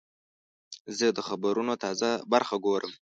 زه د خبرونو تازه برخه ګورم.